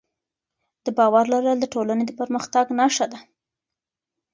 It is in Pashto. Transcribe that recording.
د باور لرل د ټولنې د پرمختګ نښه ده.